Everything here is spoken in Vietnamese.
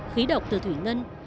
khí độc từ thủy ngân